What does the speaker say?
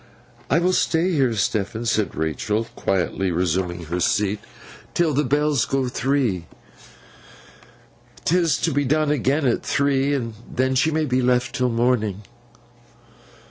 'I will stay here, Stephen,' said Rachael, quietly resuming her seat, 'till the bells go Three. 'Tis to be done again at three, and then she may be left till morning.